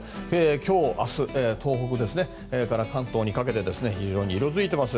今日明日と東北から関東にかけて非常に色づいています。